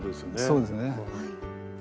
そうですね。